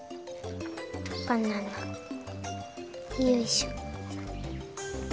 バナナよいしょ。